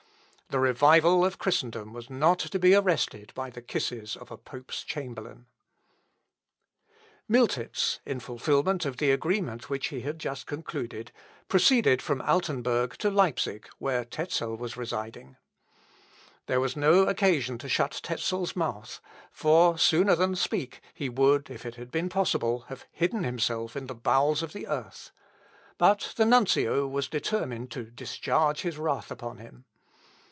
The revival of Christendom was not to be arrested by the kisses of a pope's chamberlain. [Sidenote: LUTHER'S LETTER TO THE POPE.] Miltitz, in fulfilment of the agreement which he had just concluded, proceeded from Altenburg to Leipsic, where Tezel was residing. There was no occasion to shut Tezel's mouth, for, sooner than speak, he would, if it had been possible, have hidden himself in the bowels of the earth; but the nuncio was determined to discharge his wrath upon him.